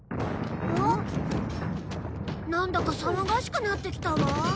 なんだか騒がしくなってきたわ。